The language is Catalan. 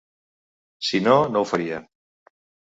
Si no, no ho faria.